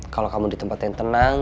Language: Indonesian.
kalau kamu di tempat yang tenang